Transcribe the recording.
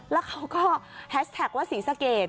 แล้วเขาก็แฮชแท็กว่าศรีสะเกด